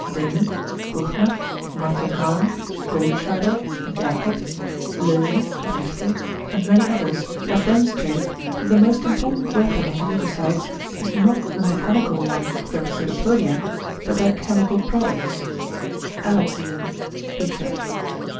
Denys, Buchner, Martin Hahn, Goldscheider and Jacob, Löwy and Richter, and many others have demonstrated, that the most important weapon of the leucocytes is not the mechanical one of their pseudopodia, but their chemical products ("Alexine," Bucher).